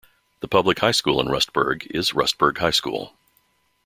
The public high school in Rustburg is Rustburg High School.